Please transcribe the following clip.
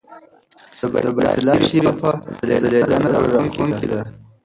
د بیت الله شریفه ځلېدنه زړه راښکونکې ده.